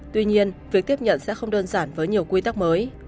tuy nhiên việc tiếp nhận sẽ không đơn giản với nhiều quy tắc mới